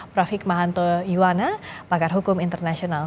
prof hikmahanto iwana pakar hukum internasional